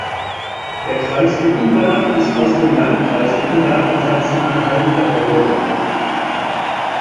Der Kreis Wittenberg ist aus dem Landkreis Wittenberg in Sachsen-Anhalt hervorgegangen.